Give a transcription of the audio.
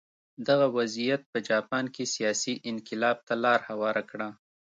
دغه وضعیت په جاپان کې سیاسي انقلاب ته لار هواره کړه.